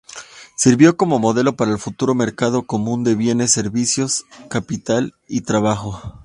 Sirvió como modelo para el futuro mercado común de bienes, servicios, capital y trabajo.